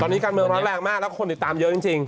ตอนนี้การเมืองร้อนแรงมากแล้วคนติดตามเยอะจริง